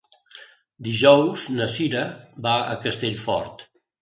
Dijous na Sira va a Castellfort.